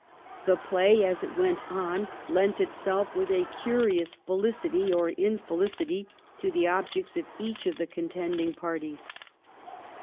The play as it went on lent itself with a curious felicity, or infelicity, to the objects of each of the contending parties.